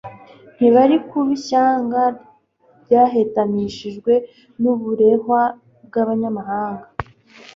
ntibari kuba ishyanga ryahetamishijwe n'uburehwa bw'abanyamahanga.